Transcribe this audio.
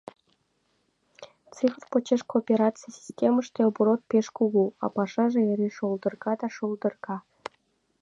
Цифр почеш коопераций системыште оборот пеш кугу, а пашаже эре шолдырга да шолдырга.